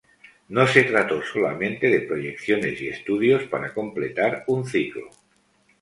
No se trató solamente de proyecciones y estudios para completar un ciclo.